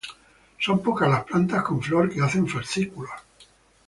Son pocas las plantas con flor que hacen fascículos.